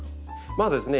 まずですね